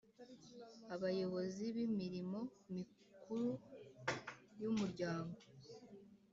Abayobozi bimirimo mikuru yumuryango